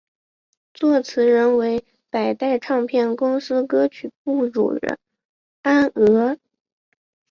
作词人为百代唱片公司歌曲部主任安娥。